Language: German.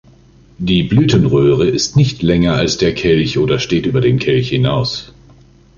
Die Blütenröhre ist nicht länger als der Kelch oder steht über den Kelch hinaus.